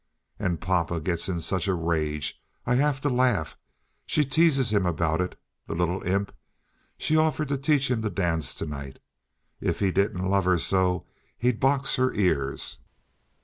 "And papa gets in such a rage. I have to laugh. She teases him about it—the little imp. She offered to teach him to dance to night. If he didn't love her so he'd box her ears."